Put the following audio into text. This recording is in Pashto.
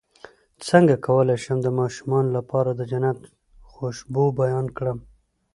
څنګه کولی شم د ماشومانو لپاره د جنت خوشبو بیان کړم